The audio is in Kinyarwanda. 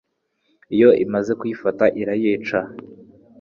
Iyo imaze kuyifata irayica